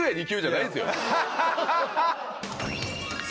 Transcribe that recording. ハハハハ！